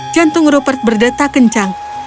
jantung rupert berdetak kencang